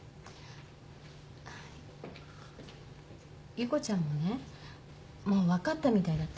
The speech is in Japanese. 優子ちゃんもねもう分かったみたいだったよ。